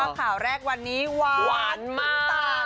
ว่าข่าวแรกวันนี้หวานมาก